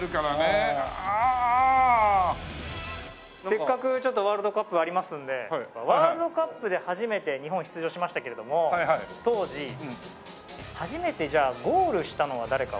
せっかくちょっとワールドカップありますのでワールドカップで初めて日本出場しましたけれども当時初めてじゃあゴールしたのは誰かわかりますか？